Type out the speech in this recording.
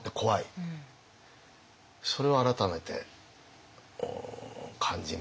それを改めて感じましたね。